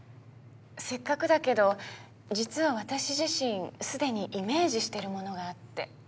せっかくだけど実は私自身既にイメージしてるものがあって。